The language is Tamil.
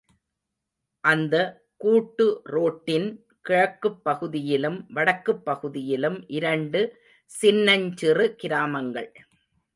அந்த கூட்டு ரோட்டின் கிழக்குப் பகுதியிலும், வடக்குப் பகுதியிலும் இரண்டு சின்னஞ்சிறு கிராமங்கள்.